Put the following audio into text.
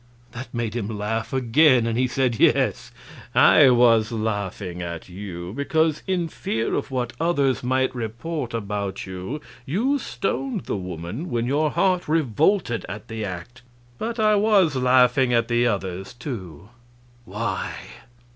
That made him laugh again, and he said, "Yes, I was laughing at you, because, in fear of what others might report about you, you stoned the woman when your heart revolted at the act but I was laughing at the others, too." "Why?"